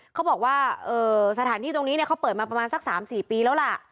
เขาบอกว่าสถานที่ตรงนี้เขาเปิดมาประมาณสัก๓๔ปีแล้วล่ะ